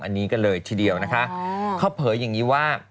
อันนี้ก็เลยทีเดียวนะคะเขาเผยอย่างนี้ว่า